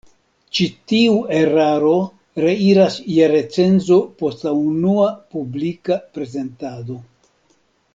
Ĉi tiu eraro reiras je recenzo post la unua publika prezentado.